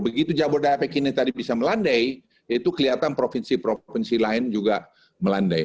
begitu jabodetabek ini tadi bisa melandai itu kelihatan provinsi provinsi lain juga melandai